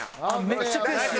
めっちゃ悔しい。